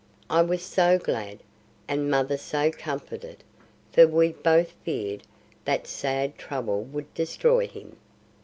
I was so glad, and mother so comforted, for we both feared that sad trouble would destroy him.